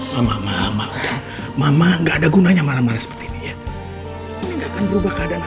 mama mama gak ada gunanya marah marah seperti ini ya ini gak akan berubah keadaan apapun